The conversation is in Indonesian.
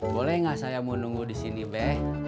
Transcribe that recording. boleh gak saya nunggu di sini be